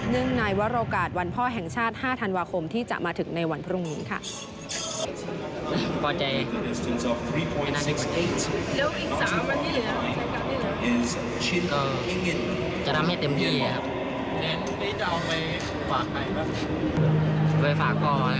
ในวรโอกาสวันพ่อแห่งชาติ๕ธันวาคมที่จะมาถึงในวันพรุ่งนี้ค่ะ